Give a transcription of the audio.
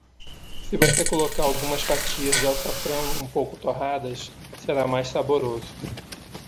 Se você colocar algumas fatias de açafrão um pouco torradas, será mais saboroso.